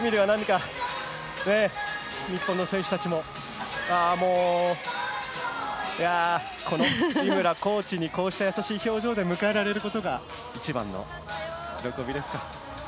日本の選手たちも、井村コーチに優しい表情で迎えられることが一番の喜びですか。